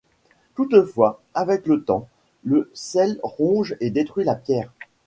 Toutefois, avec le temps, le sel ronge et détruit la pierre.